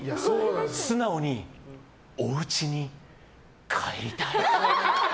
素直に、おうちに、帰りたい。